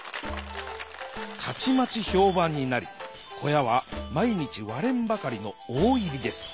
たちまちひょうばんになりこやはまいにちわれんばかりのおおいりです。